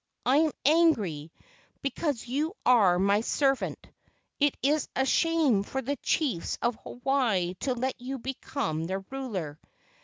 I am angry, because you are my servant. It is a shame for the chiefs of Hawaii to let you become their ruler."